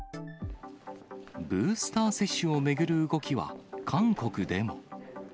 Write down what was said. ブースター接種を巡る動きは韓国でも。